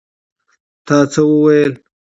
تا څه وویل?